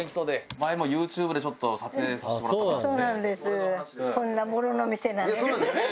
前もＹｏｕＴｕｂｅでちょっと撮影させてもらった事があって。